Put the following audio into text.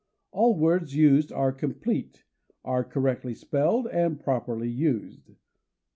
All words used are complete; are correctly spelled and properly used.